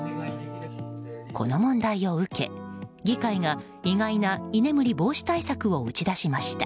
この問題を受け、議会が意外な居眠り防止対策を打ち出しました。